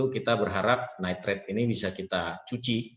kita berharap nitrit ini bisa kita cuci